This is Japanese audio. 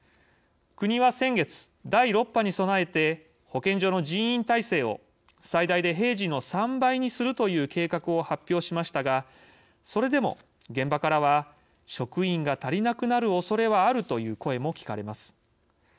国は先月第６波に備えて保健所の人員体制を最大で平時の３倍にするという計画を発表しましたがそれでも現場からは職員が足りなくなるおそれはあるという声も聞かれます。